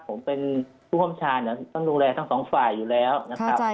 ผมเป็นผู้ค้ำชาญต้องดูแลทั้งสองฝ่ายอยู่แล้วนะครับ